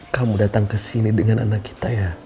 kamu datang kesini dengan anak kita ya